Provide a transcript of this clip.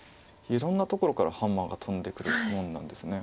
いろんなところからハンマーが飛んでくるものなんですね。